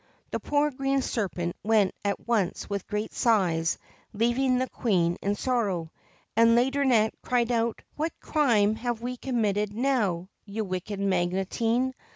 The poor Green Serpent went at once with great sighs, leaving the Queen in sorrow. And Laideronnette cried out : 'What crime have we committed now, you wicked Magotine?